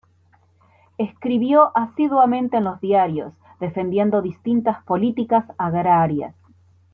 Escribió asiduamente en los diarios, defendiendo distintas políticas agrarias.